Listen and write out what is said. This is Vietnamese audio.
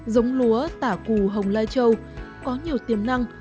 giống lúa tả củ hồng lai trâu có nhiều tiềm năng